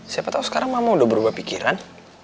siapa tahu sekarang mama udah berubah pikiran